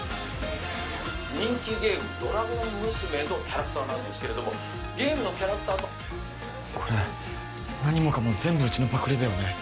人気ゲームドラゴン娘のキャラクターなんですけれどもゲームのキャラクターとこれ何もかも全部うちのパクリだよね